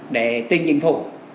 để tinh chính phủ